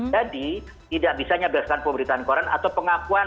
tidak bisanya berdasarkan pemberitaan koran atau pengakuan